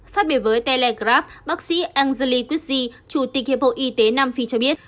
phát biểu với telegraph bác sĩ angeli kutsi chủ tịch hiệp hội y tế nam phi cho biết